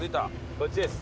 こっちです。